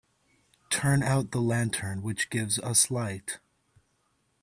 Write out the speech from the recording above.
Turn out the lantern which gives us light.